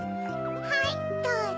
はいどうぞ。